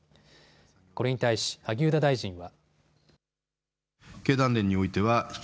これに対し萩生田大臣は。